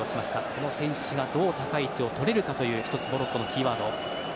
この選手がどう高い位置をとれるかという１つ、モロッコのキーワード。